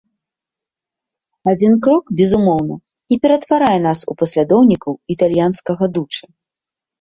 Адзін крок, безумоўна, не ператварае нас у паслядоўнікаў італьянскага дучэ.